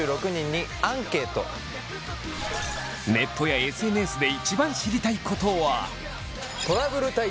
ネットやＳＮＳで１番知りたいことは。